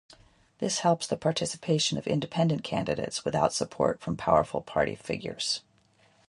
This helps the participation of independent candidates without support from powerful party figures.